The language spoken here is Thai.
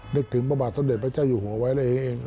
นึกถึงพระบาทสมเด็จพระเจ้าอยู่หัวไว้ได้เอง